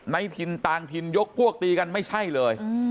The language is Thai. ในถิ่นต่างถิ่นยกพวกตีกันไม่ใช่เลย